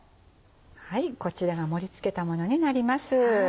こちらが盛り付けたものになります。